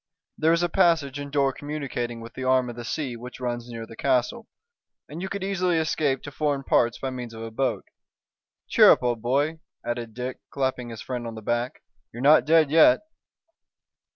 There is a passage and door communicating with the arm of the sea which runs near the castle, and you could easily escape to foreign parts by means of a boat. Cheer up, old boy," added Dick, clapping his friend on the back, "you're not dead yet."